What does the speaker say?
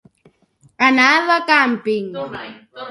Anar de càmping.